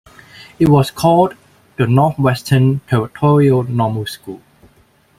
It was called the Northwestern Territorial Normal School.